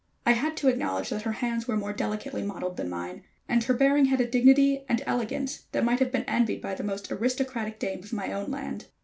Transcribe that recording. I had to acknowledge that her hands were more delicately modeled than mine, and her bearing had a dignity and elegance that might have been envied by the most aristocratic dame of my own land.